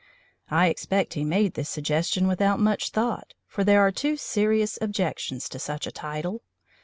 I expect he made this suggestion without much thought, for there are two serious objections to such a title.